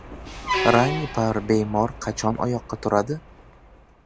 Rangpar bemor qachon oyoqqa turadi?